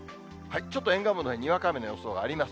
ちょっと沿岸部でにわか雨の予想があります。